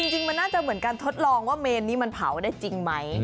จริงมันน่าจะเหมือนการทดลองว่าเมนนี้มันเผาได้จริงไหม